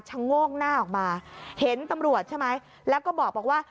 โงกหน้าออกมาเห็นตำรวจใช่ไหมแล้วก็บอกว่า